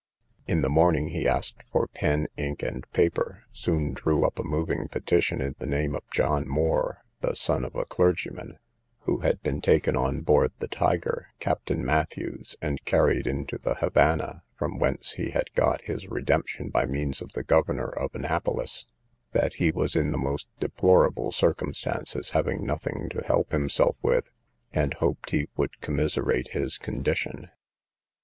In the morning he asked for pen, ink, and paper, soon drew up a moving petition in the name of John Moore, the son of a clergyman, who had been taken on board the Tiger, Captain Matthews, and carried into the Havannah, from whence he had got his redemption by means of the governor of Annapolis; that he was in the most deplorable circumstances, having nothing to help himself with, and hoped he would commiserate his condition.